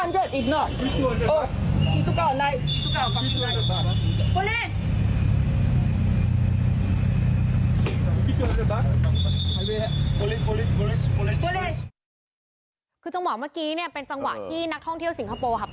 จังหวะว่าเมื่อกี้เป็นจังหวะที่นักท่องเที่ยวสิงคโปร์